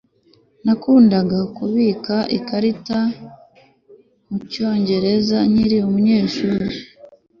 Nakundaga kubika ikarita mucyongereza nkiri umunyeshuri